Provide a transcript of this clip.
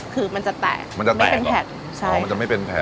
คือมันจะแตกมันจะแตกก่อนมันจะไม่เป็นแผดใช่อ๋อมันจะไม่เป็นแผด